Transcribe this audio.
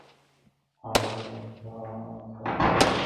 !.هغه دي اوس له ارمانونو سره لوبي کوي!.